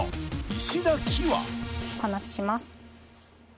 お話しします。